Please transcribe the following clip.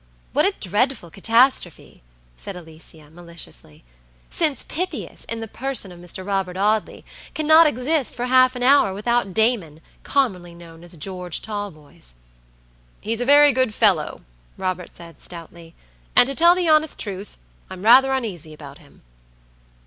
"What a dreadful catastrophe!" said Alicia, maliciously, "since Pythias, in the person of Mr. Robert Audley, cannot exist for half an hour without Damon, commonly known as George Talboys." "He's a very good fellow," Robert said, stoutly; "and to tell the honest truth, I'm rather uneasy about him."